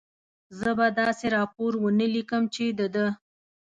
زه به داسې راپور و نه لیکم، چې د ده.